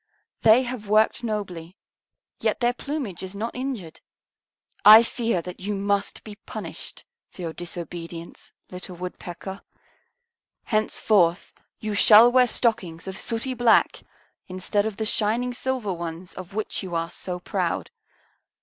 They have worked nobly, yet their plumage is not injured. I fear that you must be punished for your disobedience, little Woodpecker. Henceforth you shall wear stockings of sooty black instead of the shining silver ones of which you are so proud.